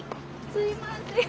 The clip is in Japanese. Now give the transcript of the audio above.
すいません。